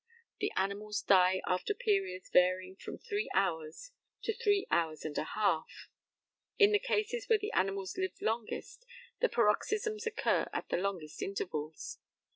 The animals die after periods varying from three hours to three hours and a half. In the cases where the animals live longest the paroxysms occur at the longest intervals.